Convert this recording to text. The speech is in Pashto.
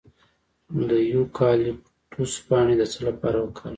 د یوکالیپټوس پاڼې د څه لپاره وکاروم؟